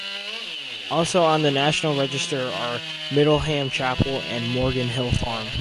Also on the National Register are Middleham Chapel and Morgan Hill Farm.